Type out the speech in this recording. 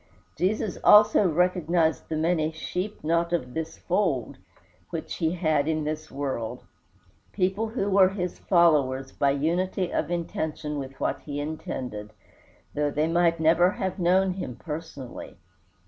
Jesus always recognized the many "sheep not of this fold" which he had in this world people who were his followers by unity of intention with what he intended, though they might never have known him personally.